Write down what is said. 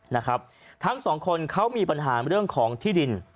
นะครับทั้งสองคนเขามีปัญหาเรื่องของที่ดิน